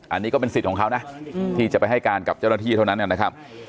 อันนี้ก็เป็นสิทธิ์ของเขานะที่จะไปให้การกับเจ้าหน้าที่เท่านั้นนะครับ